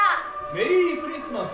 メリークリスマス。